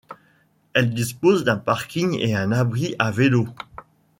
Elle dispose d'un parking et un abri à vélos.